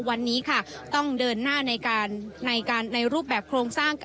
วันนี้ค่ะต้องเดินหน้าในรูปแบบโครงสร้าง